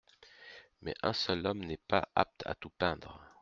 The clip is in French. Mais un seul homme n'est pas apte à tout peindre.